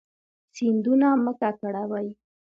سیندونه مه ککړوئ